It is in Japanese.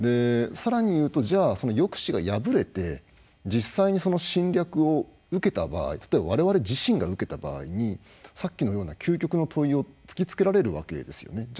さらに言うとじゃあその抑止が破れて実際にその侵略を受けた場合例えば我々自身が受けた場合にさっきのような究極の問いを突きつけられるわけですよね。